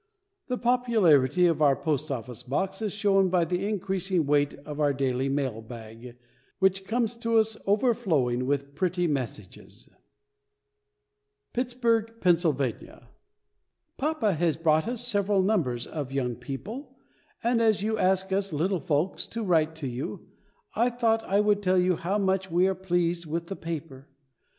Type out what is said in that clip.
The popularity of our Post office Box is shown by the increasing weight of our daily mail bag, which comes to us overflowing with pretty messages. PITTSBURGH, PENNSYLVANIA. Papa has brought us several numbers of Young People, and as you ask us little folks to write to you, I thought I would tell you how much we are pleased with the paper.